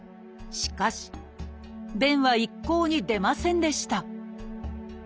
しかし便は一向に出ませんでした